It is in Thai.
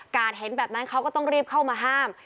เห็นแบบนั้นเขาก็ต้องรีบเข้ามาห้าม